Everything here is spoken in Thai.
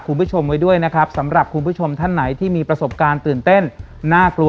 คุณผู้ชมไว้ด้วยนะครับสำหรับคุณผู้ชมท่านไหนที่มีประสบการณ์ตื่นเต้นน่ากลัว